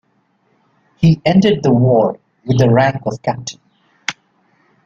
He ended the war with the rank of captain.